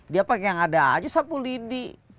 dia pakai yang ada aja sapu lidi